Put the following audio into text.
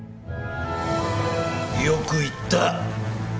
よく言った。